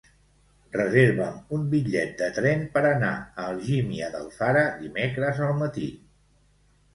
Reserva'm un bitllet de tren per anar a Algímia d'Alfara dimecres al matí.